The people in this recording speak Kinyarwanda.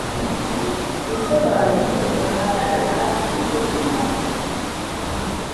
ibisobanuro ahagana hasi ku ipaji